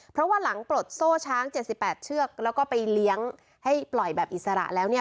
เพราะว่าหลังปลดโซ่ช้าง๗๘เชือกแล้วก็ไปเลี้ยงให้ปล่อยแบบอิสระแล้วเนี่ย